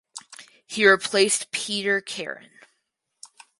He replaced Peeter Karin.